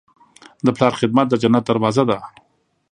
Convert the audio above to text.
د پلار خدمت د جنت دروازه ده.